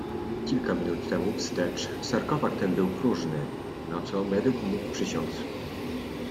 "Kilka minut temu wstecz sarkofag ten był próżny, na co medyk mógł przysiąc."